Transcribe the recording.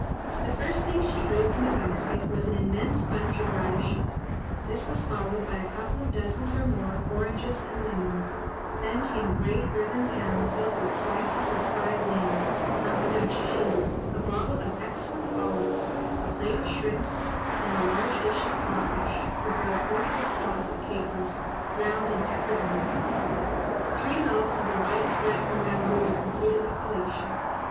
The first thing she drew from the basket was an immense bunch of radishes; this was followed by a couple of dozens or more of oranges and lemons; then came a great earthen pan filled with slices of fried ling, half a Dutch cheese, a bottle of excellent olives, a plate of shrimps, and a large dish of craw fish, with their appropriate sauce of capers, drowned in pepper vinegar: three loaves of the whitest bread from Gandul completed the collation.